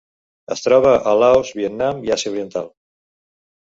Es troba a Laos, Vietnam i Àsia Oriental.